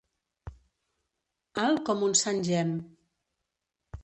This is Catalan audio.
Alt com un sant Gem.